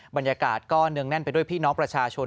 บรรยากาศก็เนืองแน่นไปด้วยพี่น้องประชาชน